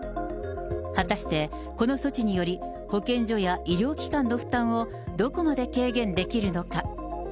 果たしてこの措置により、保健所や医療機関の負担をどこまで軽減できるのか。